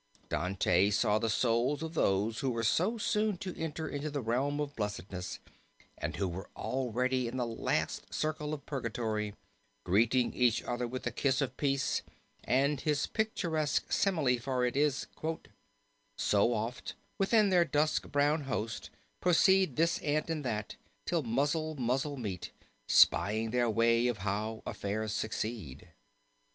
Dante saw the souls of those who were so soon to enter into the realm of blessedness, and who were already in the last circle of purgatory, greeting each other with the kiss of peace and his picturesque simile for it is: "So oft, within their dusk brown host, proceed This ant and that, till muzzle muzzle meet; Spying their way, or how affairs succeed."